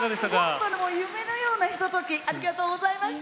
本当に夢のようなひとときありがとうございました。